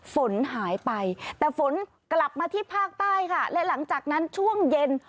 ฝนหายไปแต่ฝนกลับมาที่ภาคใต้ค่ะและหลังจากนั้นช่วงเย็น